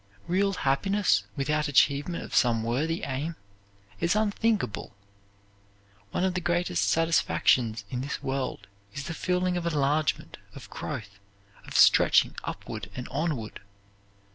Real happiness without achievement of some worthy aim is unthinkable. One of the greatest satisfactions in this world is the feeling of enlargement, of growth, of stretching upward and onward.